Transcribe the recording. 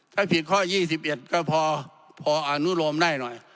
ถ้าผิดข้อ๒๑ก็พออนุโลมได้หน่อย